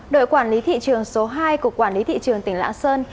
đội quản lý thị trường số hai của quản lý thị trường tỉnh lạng sơn